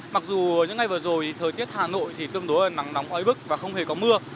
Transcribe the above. mặc dù những ngày vừa rồi thì thời tiết hà nội thì tương đối là nắng nóng oi bức và không hề có mưa